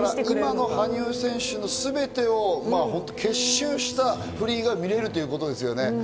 今の羽生選手のすべてを結集したフリーが見られるということですね。